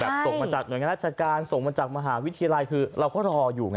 ส่งมาจากหน่วยงานราชการส่งมาจากมหาวิทยาลัยคือเราก็รออยู่ไง